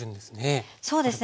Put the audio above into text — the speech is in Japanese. そうです。